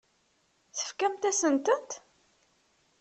Tefkamt-asent-tent?